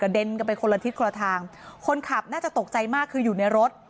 เด็นกันไปคนละทิศคนละทางคนขับน่าจะตกใจมากคืออยู่ในรถ